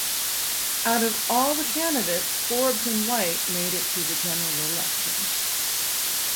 Out of all the candidates Forbes and White made it to the general election.